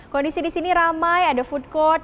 kondisi di sini ramai ada food court